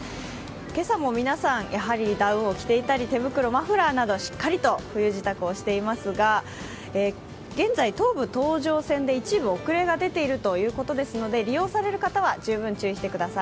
今朝も皆さんダウンを着ていたり手袋、マフラーなどしっかりと冬支度をしていますが、現在、東武東上線で一部遅れが出ているということですので利用される方は十分注意してください。